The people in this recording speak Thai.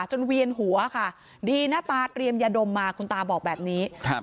เวียนหัวค่ะดีหน้าตาเตรียมยาดมมาคุณตาบอกแบบนี้ครับ